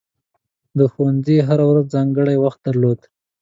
د ښوونځي هره ورځ ځانګړی وخت درلود.